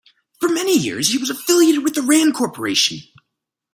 For many years, he was affiliated with the Rand Corporation.